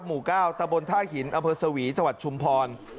หมู่ก้าวตะบนท่าหินอเภอศวีจชุมพร